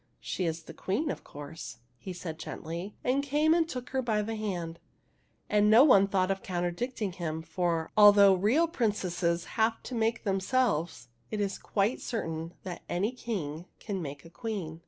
" She is the Queen, of course," he said gently, and came and took her by the hand. And no one thought of contradicting him, for, although real princesses have to make themselves, it is quite certain that any king can make a queen.